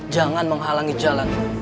jangan menghalangi jalan